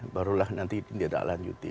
barulah nanti tidak ada alahan yuti